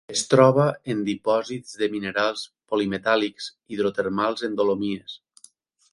Es troba en dipòsits de minerals polimetàl·lics hidrotermals en dolomies.